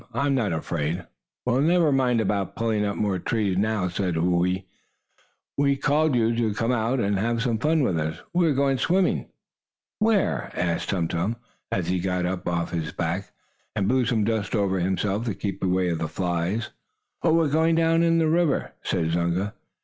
"I'm not afraid!" "Well, never mind about pulling up more trees now," said Whoo ee. "We called you to come out, and have some fun with us. We are going swimming." "Where?" asked Tum Tum, as he got up off his back, and blew some dust over himself to keep away the flies. "Oh, we're going down in the river," said Zunga.